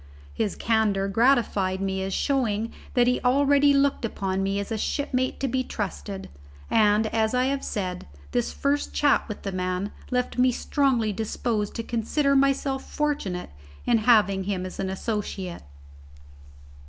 His candour gratified me as showing that he already looked upon me as a shipmate to be trusted, and, as I have said, this first chat with the man left me strongly disposed to consider myself fortunate in having him as an associate.